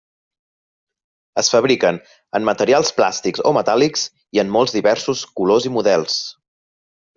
Es fabriquen en materials plàstics o metàl·lics i en molt diversos colors i models.